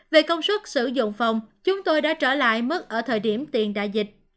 về công suất sử dụng phòng chúng tôi đã trở lại mức ở thời điểm tiền đại dịch